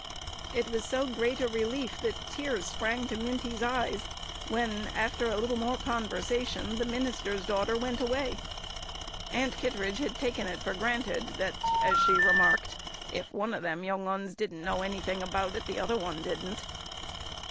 It was so great a relief that tears sprang to Minty's eyes when, after a little more conversation, the minister's daughter went away. Aunt Kittredge had taken it for granted that, as she remarked, "if one of them young ones didn't know anything about it the other didn't."